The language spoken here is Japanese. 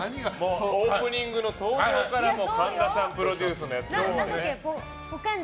オープニングの登場から神田さんプロデュースのやつ。